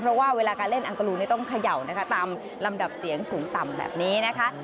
เพราะว่าเวลาการเล่นอังกรูนี่ต้องเขย่านะคะตามลำดับเสียงสูงต่ำแบบนี้นะคะ